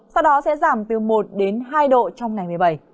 sau đó sẽ giảm từ một đến hai độ trong ngày một mươi bảy